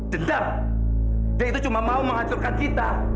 dendam dia itu cuma mau menghancurkan kita